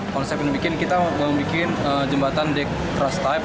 konsep yang dibikin kita membuat jembatan di trust type